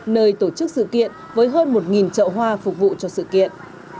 nơi tổ chức sự kiện với hơn một trậu hoa phục vụ cho sự kiện